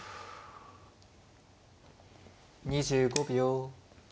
２５秒。